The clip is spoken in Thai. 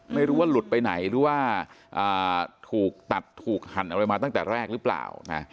ไม่รู้ว่าหลุดไปไหนหรือว่าถูกตัดถูกหั่นอะไรมาตั้งแต่แรกหรือเปล่านะ